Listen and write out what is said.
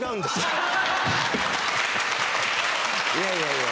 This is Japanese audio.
いやいやいや。